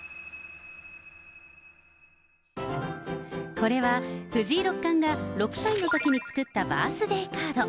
これは藤井六冠が６歳のときに作ったバースデーカード。